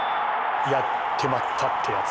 やってまったってやつ。